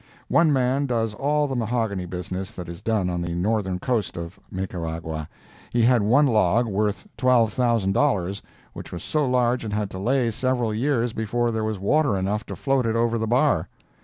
One man does all the mahogany business that is done on the northern coast of Nicaragua. He had one log, worth $12,000, which was so large it had to lay several years before there was water enough to float it over the bar.